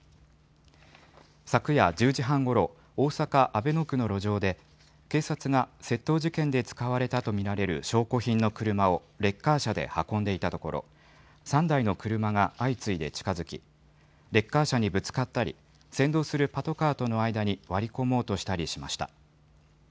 昨夜１０時半ごろ、大阪・阿倍野区の路上で、警察が窃盗事件で使われたと見られる証拠品の車をレッカー車で運んでいたところ、３台の車が相次いで近づき、レッカー車にぶつかったり、先導するパトカーとの間に割り込もうとしたりしました。